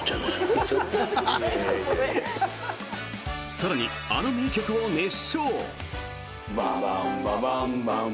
更に、あの名曲を熱唱。